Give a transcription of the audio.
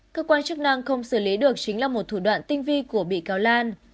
cơ quan chức năng không xử lý được chính là một thủ đoạn tinh vi của bị cáo lan